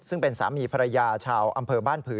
ซึ่งเป็นสามีภรรยาชาวอำเภอบ้านผือ